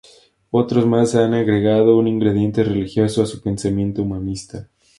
Otros más han agregado un ingrediente religioso a su pensamiento humanista.